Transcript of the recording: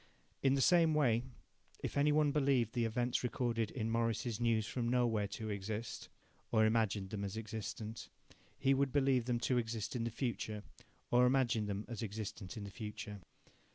In the same way, if any one believed the events recorded in Morris's News from Nowhere to exist, or imagined them as existent, he would believe them to exist in the future or imagine them as existent in the future.